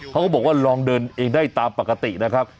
เขาก็บอกว่าลองเดินเองได้ตามปกตินะครับ